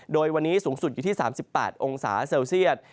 โดยวันนี้สูงสุดอยู่ที่๓๘องศาเซลเซียต